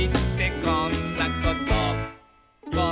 「こんなこと」